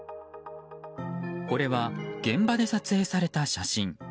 これは現場で撮影された写真。